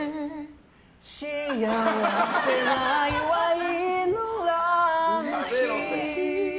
幸せな岩井のランチ。